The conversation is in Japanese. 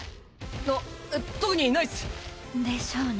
あっえっ特にないっす。でしょうね。